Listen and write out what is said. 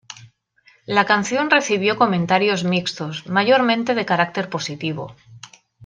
La canción recibió comentarios mixtos, mayormente de carácter positivo.